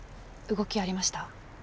動きありました？